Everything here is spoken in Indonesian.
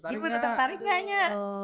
tetap tarik nggak nya